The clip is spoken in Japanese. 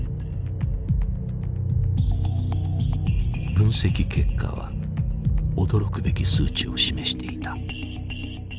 分析結果は驚くべき数値を示していた。